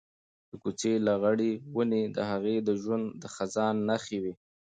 د کوڅې لغړې ونې د هغې د ژوند د خزان نښې وې.